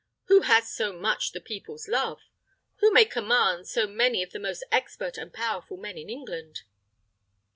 Who has so much the people's love? Who may command so many of the most expert and powerful men in England?"